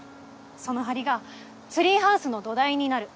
その梁がツリーハウスの土台になる。